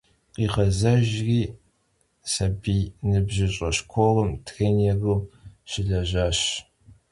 Khiğezejjri, sabiy - nıbjış'e şşkolım trênêru şılejaş.